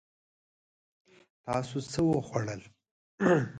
تاسو څه وخوړل؟